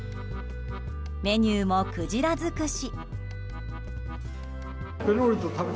メニューもクジラ尽くし。